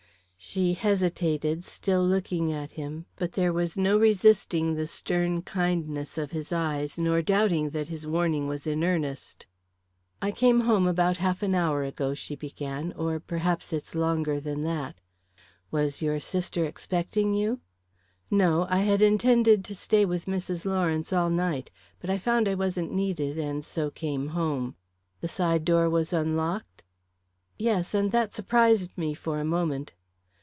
She hesitated, still looking at him; but there was no resisting the stern kindness of his eyes, nor doubting that his warning was in earnest. "I came home about half an hour ago," she began, "or perhaps it's longer than that " "Was your sister expecting you?" "No; I had intended to stay with Mrs. Lawrence all night. But I found I wasn't needed, and so came home." "The side door was unlocked?" "Yes, and that surprised me for a moment."